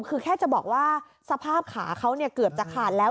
คือแค่จะบอกว่าสภาพขาเขาเกือบจะขาดแล้ว